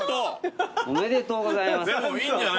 おめでとうございます。